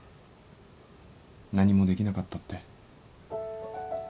何もできなかったって。